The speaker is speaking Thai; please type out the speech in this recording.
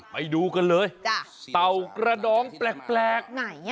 ไปดูกันเลยเต่ากระดองแปลกไหน